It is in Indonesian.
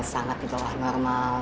sangat di bawah normal